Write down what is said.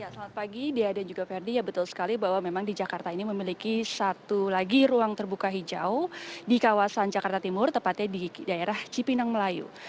selamat pagi dia dan juga verdi ya betul sekali bahwa memang di jakarta ini memiliki satu lagi ruang terbuka hijau di kawasan jakarta timur tepatnya di daerah cipinang melayu